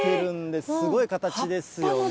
すごい形ですよね。